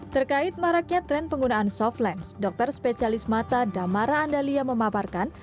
terkait maraknya tren penggunaan softlens dokter spesialis mata damara andalia memaparkan